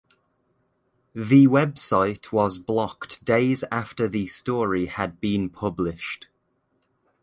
The website was blocked days after the story had been published.